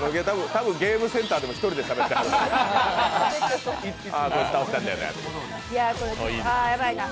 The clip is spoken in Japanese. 多分ゲームセンターでも１人でしゃべってはるな。